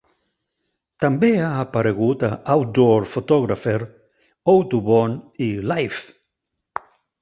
També ha aparegut a "Outdoor Photographer", "Audubon", i "Life".